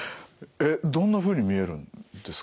えっどんなふうに見えるんですか？